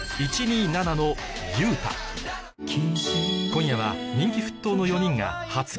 今夜は人気沸騰の４人がそして